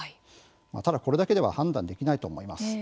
ただ、これだけでは判断できないと思います。